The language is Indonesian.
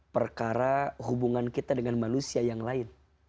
perkara hubungan kita dengan manusia yang lain